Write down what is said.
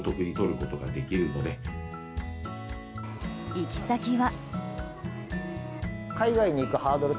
行き先は。